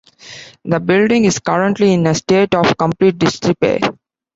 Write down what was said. The building is currently in a state of complete disrepair.